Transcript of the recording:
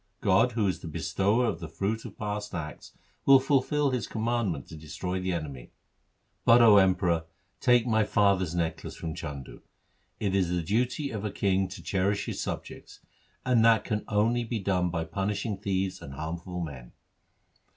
God, who is the Bestower of the fruit of past acts, will fulfil His commandment to destroy the enemy. But, O Emperor, take my father's necklace from Chandu. It is the duty of a king to cherish his subjects, and that can only be done by punishing thieves and harmful men.'